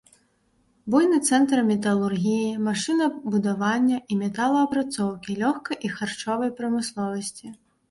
Буйны цэнтр металургіі, машынабудавання і металаапрацоўкі, лёгкай і харчовай прамысловасці.